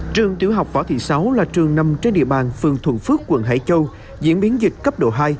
trường tiểu học võ thị sáu là trường nằm trên địa bàn phường thuận phước quận hải châu diễn biến dịch cấp độ hai